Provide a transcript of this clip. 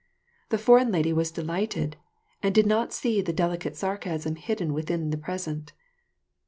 The foreign lady was delighted, and did not see the delicate sarcasm hidden within the present.